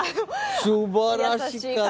すばらしかった。